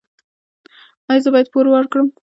ایا زه باید پور ورکړم؟